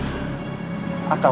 tidak ada yang tahu